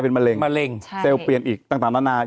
หรือแม้กระทั่งมันไปลุด